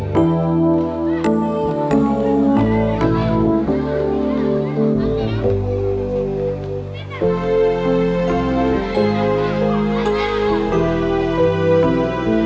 sama dengan b c kuadrat